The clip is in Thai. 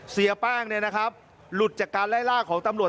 เสียแป้งเนี่ยนะครับหลุดจากการไล่ล่าของตำรวจ